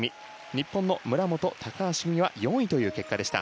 日本の村元、高橋組は４位という結果でした。